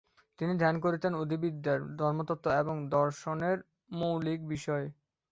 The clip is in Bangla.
তিনি ধ্যান করতেন অধিবিদ্যা, ধর্মতত্ত্ব এবং দর্শনের মৌলিক বিষয়ে।